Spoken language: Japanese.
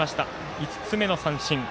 ５つ目の三振。